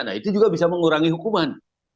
dia juga bisa mengurangi hukuman